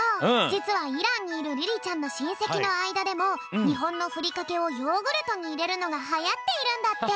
じつはイランにいるリリちゃんのしんせきのあいだでもにほんのふりかけをヨーグルトにいれるのがはやっているんだって。